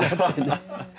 ハハハハ。